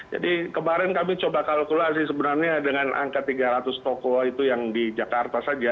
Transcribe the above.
kemarin kami coba kalkulasi sebenarnya dengan angka tiga ratus toko itu yang di jakarta saja